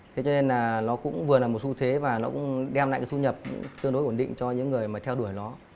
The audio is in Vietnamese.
thế cho nên là nó cũng vừa là một xu thế và nó cũng đem lại cái thu nhập tương đối ổn định cho những người mà theo đuổi nó